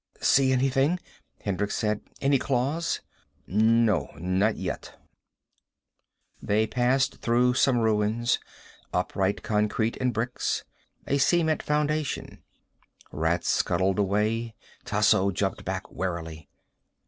"See anything?" Hendricks said. "Any claws?" "No. Not yet." They passed through some ruins, upright concrete and bricks. A cement foundation. Rats scuttled away. Tasso jumped back warily.